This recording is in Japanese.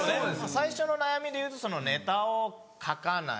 最初の悩みで言うとネタを書かない。